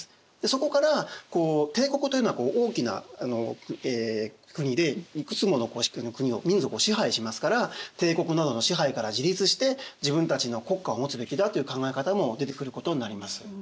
そこから帝国というのは大きな国でいくつもの国を民族を支配しますから帝国などの支配から自立して自分たちの国家を持つべきだという考え方も出てくることになります。